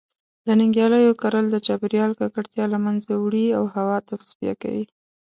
د نیالګیو کرل د چاپیریال ککړتیا له منځه وړی او هوا تصفیه کوی